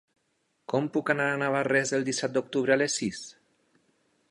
Com puc anar a Navarrés el disset d'octubre a les sis?